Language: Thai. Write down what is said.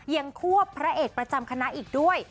ควบพระเอกประจำคณะอีกด้วย